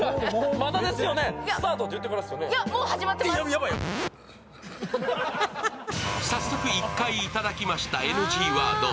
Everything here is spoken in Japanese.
さっそく一回いただきました、ＮＧワード。